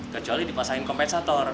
kecuali dipasangin kompensator